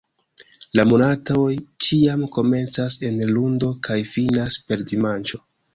La monatoj ĉiam komencas en lundo kaj finas per dimanĉo.